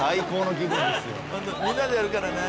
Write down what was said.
ホントみんなでやるからね。